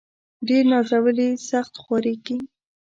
ډير نازولي ، سخت خوارېږي.